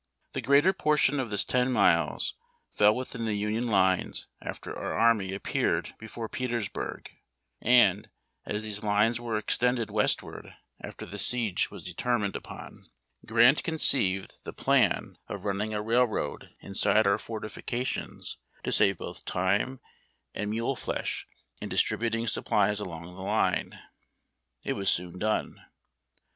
Tlie greater portion of this ten miles fell 'witliin the Union lines after our army appeared before Petersburg, and, as these lines were extended westward after the siege was determined upon, Grant conceived the plan of 350 ARMY WAGON TRAINS. 351 running a railroad iusitle our fortifications to save botli time and mule flesh in distributing supplies along the line. It was soon done.